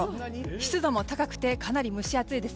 湿度も高くてかなり蒸し暑いです。